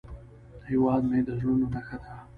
هیواد مې د زړونو نخښه ده